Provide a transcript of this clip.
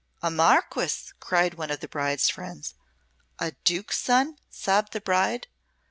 "A Marquess!" cried one of the bride's friends. "A Duke's son!" sobbed the bride.